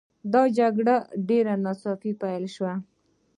دا جنګ ډېر ناڅاپه پیل شو.